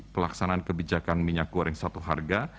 pelaksanaan kebijakan minyak goreng satu harga